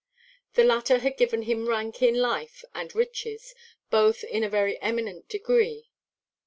The latter had given him rank in life, and riches, both in a very eminent degree.